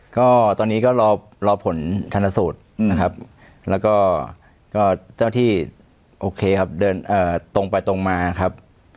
ก็ตอนนี้ก็รอผลชนสูตรนะครับแล้วก็เจ้าที่โอเคครับเดินตรงไปตรงมาครับ